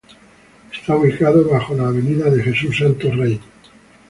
Está ubicada bajo la avenida de Jesús Santos Rein.